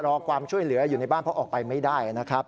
รอความช่วยเหลืออยู่ในบ้านเพราะออกไปไม่ได้นะครับ